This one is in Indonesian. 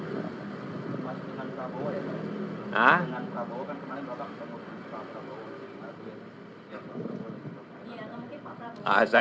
mas dengan prabowo ya pak